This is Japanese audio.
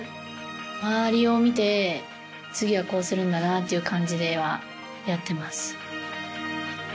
周りを見て次はこうするんだなという感じでやっています。